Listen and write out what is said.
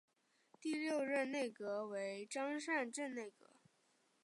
第六任内阁为张善政内阁。